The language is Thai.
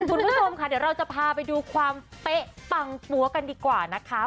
คุณผู้ชมค่ะเดี๋ยวเราจะพาไปดูความเป๊ะปังปั๊วกันดีกว่านะคะ